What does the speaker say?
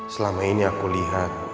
selama ini aku lihat